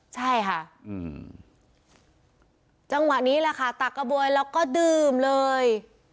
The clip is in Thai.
ใช่ค่ะจังหวะนี้แหละค่ะตักกระบวยแล้วก็ดื่มเลย